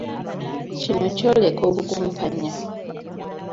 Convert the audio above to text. Kino kyoleka obukumpanya.